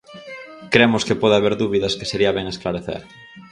Cremos que pode haber dúbidas que sería ben esclarecer.